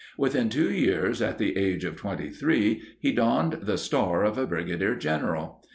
Within two years, at the age of 23, he donned the star of a brigadier general.